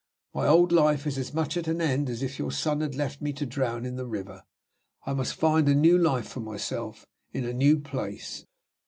My old life is as much at an end as if your son had left me to drown in the river. I must find a new life for myself, in a new place.